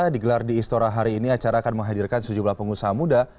digelar di istora hari ini acara akan menghadirkan sejumlah pengusaha muda